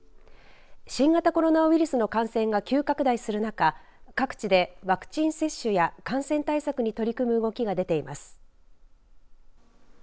新型コロナウイルスの感染が急拡大する中各地でワクチン接種や感染対策に取り組む動きが出ています。